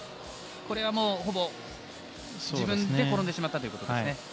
これはほぼ自分で転んでしまったということですね。